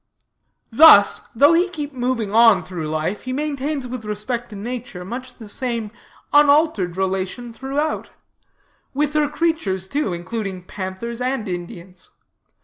"'Thus, though he keep moving on through life, he maintains with respect to nature much the same unaltered relation throughout; with her creatures, too, including panthers and Indians.